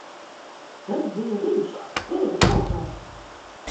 Tas bija viņš! Ķeriet rokā!